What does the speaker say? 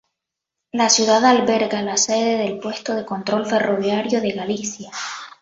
La ciudad alberga la sede del puesto de control ferroviario de Galicia.